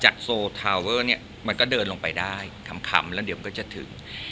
คำแล้วมันก็จะถึง